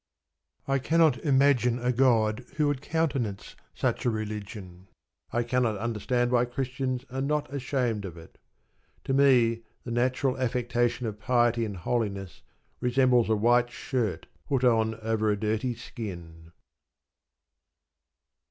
I cannot imagine a God who would countenance such a religion. I cannot understand why Christians are not ashamed of it. To me the national affectation of piety and holiness resembles a white shirt put on over a dirty skin.